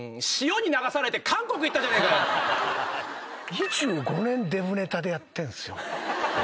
２５年デブネタでやってんすよ。